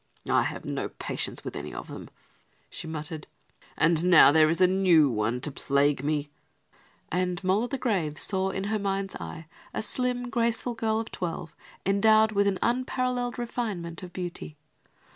"I have no patience with any of them," she muttered, "and now there is a new one to plague me," and "Moll o' the graves" saw in her mind's eye a slim, graceful girl of twelve, endowed with an unparalleled refinement of beauty.